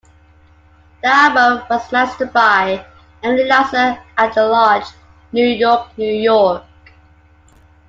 The album was mastered by Emily Lazar at The Lodge, New York, New York.